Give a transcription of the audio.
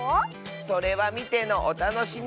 それはみてのおたのしみ！